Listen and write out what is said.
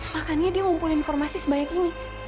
makanya dia ngumpulin informasi sebanyak ini